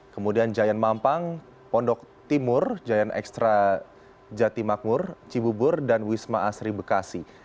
kemudian giant mampang pondok timur giant extra jati makmur cibubur dan wisma asri bekasi